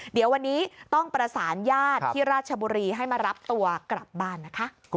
เดี๋ยววันนี้ต้องประสานญาติที่ราชบุรีให้มารับตัวกลับบ้านนะคะ